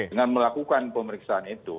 dengan melakukan pemeriksaan itu